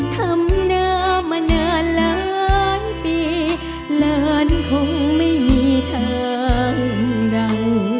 ทำหน้ามานานล้านปีหลานคงไม่มีทางเรา